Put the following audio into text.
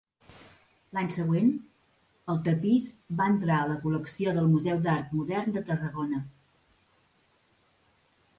L'any següent, el tapís va entrar a la col·lecció del Museu d'Art Modern de Tarragona.